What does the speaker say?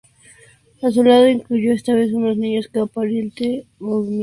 A su lado incluyó esta vez unos niños en aparente movimiento.